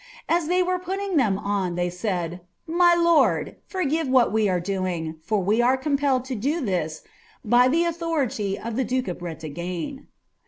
As they wtn putting iliem on. they said, ''My lord, forgive what we Kre daJDf,&r we are compelled lo this by the authority of ihe duke of firclafne."